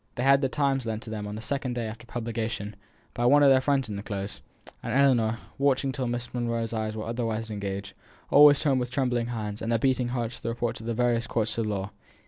They had The Times lent to them on the second day after publication by one of their friends in the Close, and Ellinor, watching till Miss Monro's eyes were otherwise engaged, always turned with trembling hands and a beating heart to the reports of the various courts of law.